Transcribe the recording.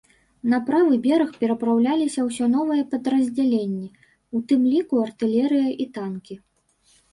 На правы бераг перапраўляліся ўсё новыя падраздзяленні, у тым ліку артылерыя і танкі.